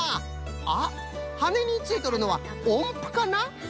あっはねについとるのはおんぷかな？